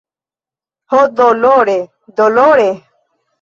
Ho, dolore, dolore!